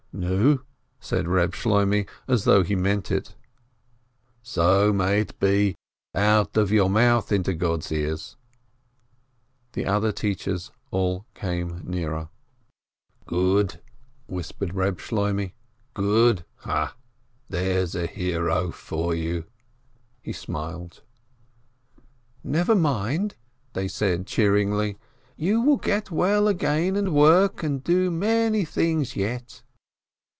"Nu, nu," said Reb Shloimeh, as though he meant, "So may it be ! Out of your mouth into God's ears !" The other teachers all came nearer. 342 PINSKI "Good?" whispered Reb Shloimeh, "good, ha? There's a hero for you !" he smiled. "Never mind," they said cheeringly, "you will get well again, and work, and do many things yet